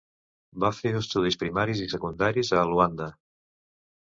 Va fer estudis primaris i secundaris a Luanda.